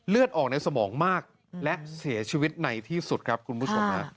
เลือดออกในสมองมากและเสียชีวิตในที่สุดครับคุณผู้ชม